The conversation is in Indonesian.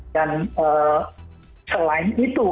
dan selain itu